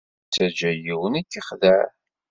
Ur ttaǧǧa yiwen ad k-yexdeɛ.